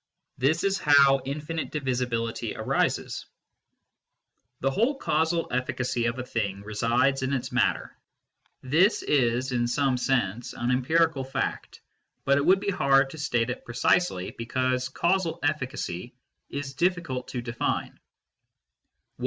This is how infinite divisibility arises. The whole causal efficacy of a thing resides in its matter. This is in some sense an empirical fact, but it would be hard to state it precisely, because " causal efficacy " is difficult to define.